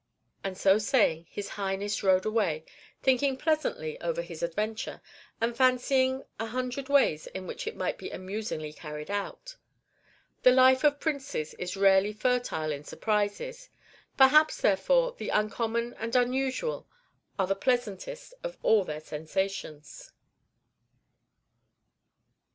And so say ing, his Highness rode away, thinking pleasantly over his adventure, and fancying a hundred ways in which it might be amusingly carried out. The life of princes is rarely fertile in surprises; perhaps, therefore, the uncommon and unusual are the pleasantest of all their sensations.